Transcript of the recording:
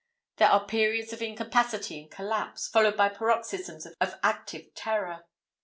There are periods of incapacity and collapse, followed by paroxysms of active terror.